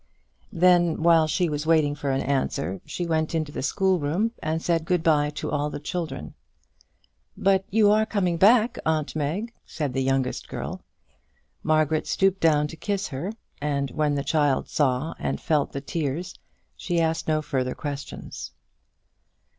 Then, while she was waiting for an answer, she went into the school room, and said good bye to all the children. "But you are coming back, aunt Meg," said the youngest girl. Margaret stooped down to kiss her, and, when the child saw and felt the tears, she asked no further questions.